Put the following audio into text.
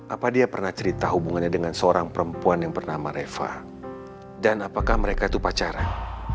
apa dia pernah cerita hubungannya dengan seorang perempuan yang bernama reva dan apakah mereka itu pacaran